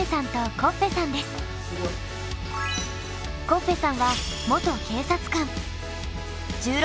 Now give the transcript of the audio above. コッフェさんは元警察官。